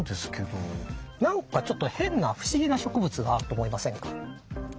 何かちょっと変な不思議な植物があると思いませんか。